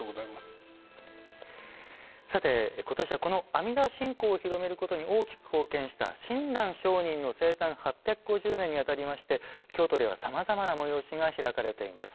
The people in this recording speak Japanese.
さて、今年はこの阿弥陀信仰を広めることに大きく貢献した親鸞聖人の生誕８５０年に当たりまして京都ではさまざまな催しが開かれています。